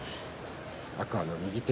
天空海の右手。